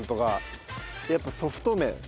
やっぱソフト麺。